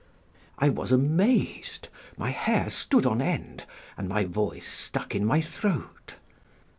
["I was amazed, my hair stood on end, and my voice stuck in my throat."